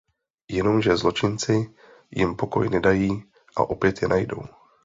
Jenomže zločinci jim pokoj nedají a opět je najdou.